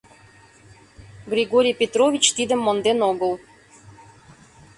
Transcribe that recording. Григорий Петрович тидым монден огыл.